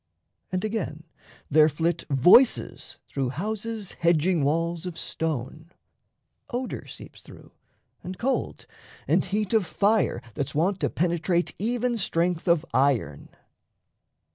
And, again, there flit Voices through houses' hedging walls of stone; Odour seeps through, and cold, and heat of fire That's wont to penetrate even strength of iron.